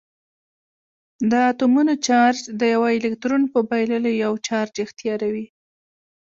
د اتومونو چارج د یوه الکترون په بایللو یو چارج اختیاروي.